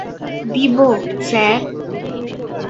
দিব, স্যার।